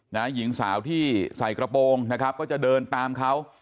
หญิงสาวที่ใส่กระโปรงนะครับก็จะเดินตามเขา